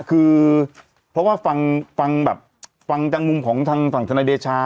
คือเพราะว่าฟังฟังแบบฟังจากมุมของทางฝั่งธนายเดชา